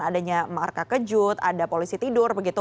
adanya marka kejut ada polisi tidur begitu